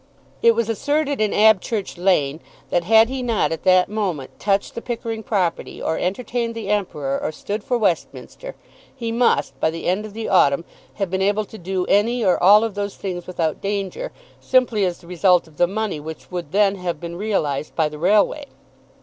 It was asserted in Abchurch Lane that had he not at that moment touched the Pickering property, or entertained the Emperor, or stood for Westminster, he must, by the end of the autumn, have been able to do any or all of those things without danger, simply as the result of the money which would then have been realised by the railway.